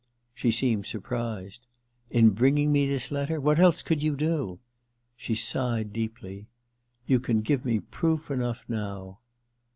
She seemed surprised. ^ In bringing me this letter ? What else could you do ?' She sighed deeply. * You can give me proof enough now.'